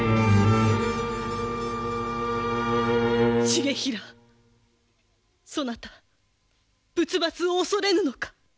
重衡そなた仏罰を恐れぬのか！？